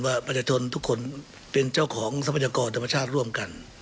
ประชาชนทุกคนเป็นเจ้าของทรัพยากรธรรมชาติร่วมกัน